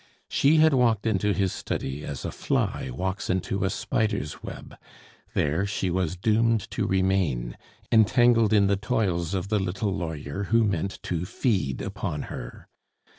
She had walked into his study as a fly walks into a spider's web; there she was doomed to remain, entangled in the toils of the little lawyer who meant to feed upon her.